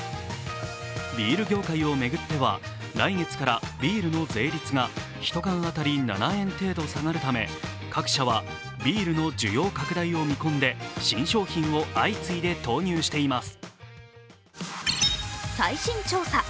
ビール業界を巡っては来月からビールの税率が１缶当たり７円程度下がるため、各社はビールの需要拡大を見込んで、新商品を相次いで投入しています。